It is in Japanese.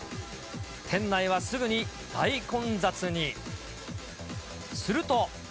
店内はすぐに大混雑に。